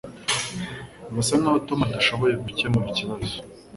Birasa nkaho Tom adashoboye gukemura ikibazo